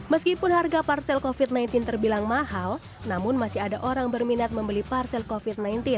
meskipun harga parsel covid sembilan belas terbilang mahal namun masih ada orang berminat membeli parsel covid sembilan belas